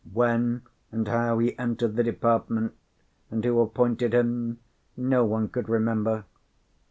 When and how he entered the department, and who appointed him, no one could remember.